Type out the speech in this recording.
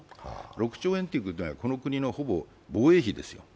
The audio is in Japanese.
６兆円ということはこの国のほぼ防衛費ですよ。